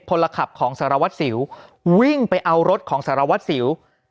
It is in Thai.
พลขับของสารวัตรสิววิ่งไปเอารถของสารวัตรสิว